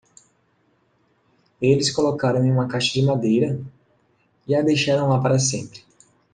Eles colocaram em uma caixa de madeira? e a deixaram lá para sempre.